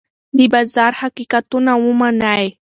د بازار حقیقتونه ومنئ.